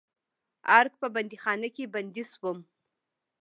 ارګ په بندیخانه کې بندي شوم.